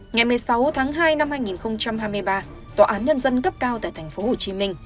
ngày một mươi sáu tháng hai năm hai nghìn hai mươi ba tòa án nhân dân cấp cao tại tp hcm